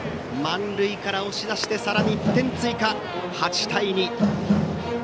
満塁から押し出してさらに１点追加、８対２。